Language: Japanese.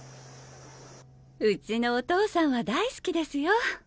うちのお父さんは大好きですよ。